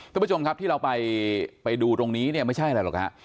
ท่านผู้ชมครับที่เราไปดูตรงนี้เนี่ยไม่ใช่อะไรหรอกฮะ